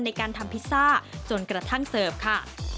ในการทำพิซซ่าจนกระทั่งเสิร์ฟค่ะ